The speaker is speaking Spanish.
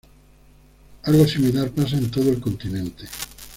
Algo similar pasa en todo el continente.